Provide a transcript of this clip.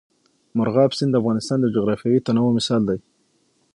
مورغاب سیند د افغانستان د جغرافیوي تنوع مثال دی.